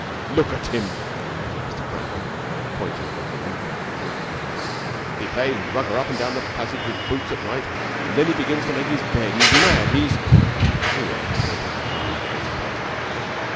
"Look at him," said Mr. Brown, pointing at the meek looking William. "He plays Rugger up and down the passage with the boots all night and then he begins to make his bed. He's mad. He's " William turned his calm gaze upon him.